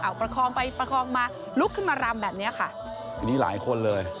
เอาประคองไปประคองมาลุกขึ้นมารำแบบเนี้ยค่ะทีนี้หลายคนเลย